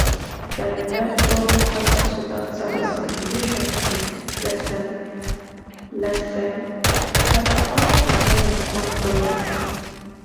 A cerebral cortex without surface convolutions is lissencephalic, meaning 'smooth-brained'.